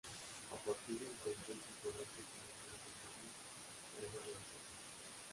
A partir de entonces sus obras gozaron de una notable revalorización.